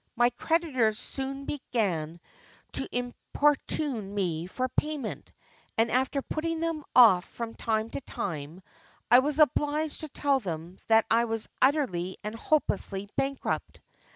My creditors soon began to importune me for payment, and after putting them off from time to time, I was obliged to tell them that I was utterly and hopelessly bankrupt.